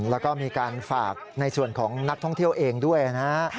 แล้วก็มีการฝากในส่วนของนักท่องเที่ยวเองด้วยนะฮะ